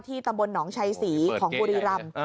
ตำบลหนองชัยศรีของบุรีรำ